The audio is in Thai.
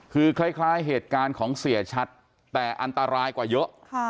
คือคล้ายเหตุการณ์ของเสียชัดแต่อันตรายกว่าเยอะ